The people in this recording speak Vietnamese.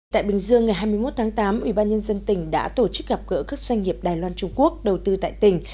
tại bình dương ngày hai mươi một tháng tám ủy ban nhân dân tỉnh đã tổ chức gặp gỡ các doanh nghiệp đài loan trung quốc đầu tư tại tỉnh